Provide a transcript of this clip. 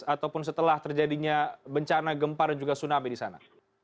ataupun setelah terjadinya bencana gemparan juga tsunami di sana